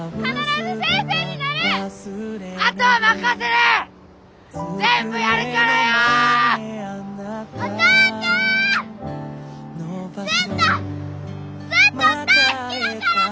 ずっとずっと大好きだからね！